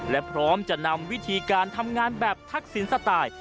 และพร้อมจะนำวิธีการทำงานแบบทักษิณสไตล์